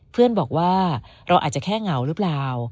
เพื่อนบอกว่าเราอาจจะแค่เหงาหรือเปล่า